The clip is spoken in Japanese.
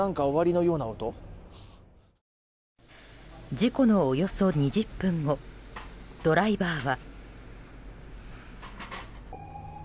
事故のおよそ２０分後ドライバーは。